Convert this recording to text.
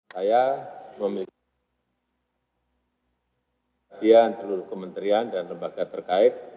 saya memiliki seluruh kementerian dan lembaga terkait